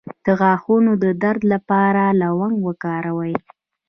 د غاښونو د درد لپاره لونګ وکاروئ